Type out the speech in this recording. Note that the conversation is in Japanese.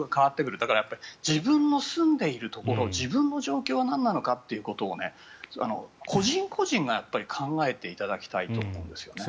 だからやはり自分の住んでいるところ自分の状況がなんなのかということを個人個人が考えていただきたいと思うんですよね。